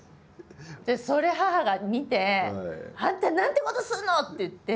それ母が見て「あんた何てことするの！」って言って。